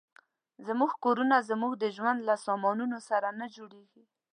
زموږ کورونه زموږ د ژوند له سامانونو سره نه جوړېږي.